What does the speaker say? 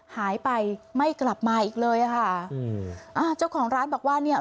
หายไปไม่กลับมาอีกเลยอ่ะค่ะอืมอ่าเจ้าของร้านบอกว่าเนี่ย